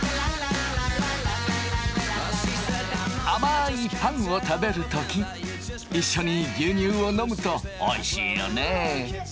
甘いパンを食べる時一緒に牛乳を飲むとおいしいよね。